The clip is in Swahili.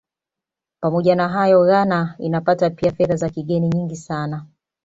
Pamoja na hayo Ghana inapata pia Fedha za kigeni nyingi sana